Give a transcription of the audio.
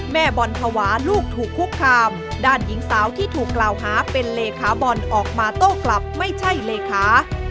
แม่บอลภาวะลูกถูกคุกคามด้านหญิงสาวที่ถูกกล่าวหาเป็นเลขาบอลออกมาโต้กลับไม่ใช่เลขา